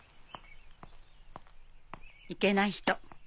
いけない人